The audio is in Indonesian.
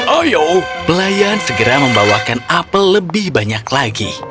pelayan segera membawakan apel lebih banyak lagi pelayan segera membawakan apel lebih banyak lagi